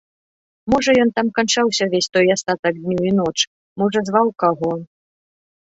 Можа ён там канчаўся ўвесь той астатак дню і ноч, можа зваў каго.